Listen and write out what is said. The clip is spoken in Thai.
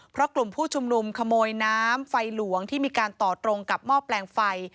เพราะกลุ่มผู้ชุมนุมขโมยน้ำไฟหลวงที่มีการต่อตรงกับหม้อแปลงไฟ